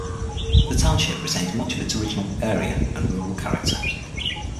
The township retains much of its original area and rural character.